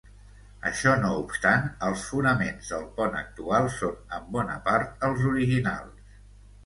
Això no obstant, els fonaments del pont actual són en bona part els originals.